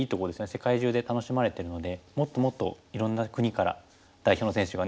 世界中で楽しまれてるのでもっともっといろんな国から代表の選手がね出てくれると。